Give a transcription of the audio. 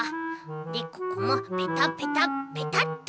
でここもペタペタペタッと。